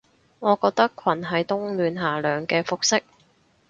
我覺得裙係冬暖夏涼嘅服飾